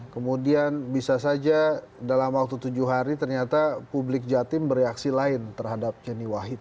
kemudian bisa saja dalam waktu tujuh hari ternyata publik jatim bereaksi lain terhadap yeni wahid